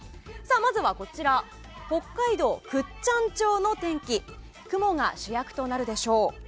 まずはこちら北海道倶知安町の天気雲が主役となるでしょう。